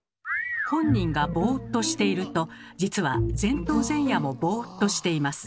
本人がボーっとしていると実は前頭前野もボーっとしています。